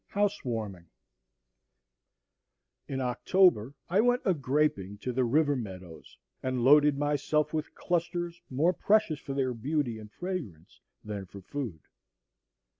House Warming In October I went a graping to the river meadows, and loaded myself with clusters more precious for their beauty and fragrance than for food.